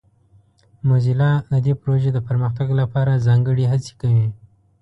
موزیلا د دې پروژې د پرمختګ لپاره ځانګړې هڅې کوي.